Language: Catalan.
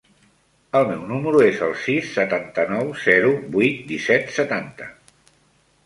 El meu número es el sis, setanta-nou, zero, vuit, disset, setanta.